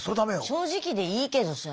正直でいいけどさ。